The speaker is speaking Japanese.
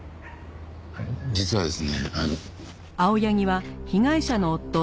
実はですねあの。